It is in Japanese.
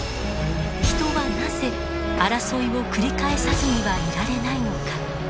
人はなぜ争いを繰り返さずにはいられないのか。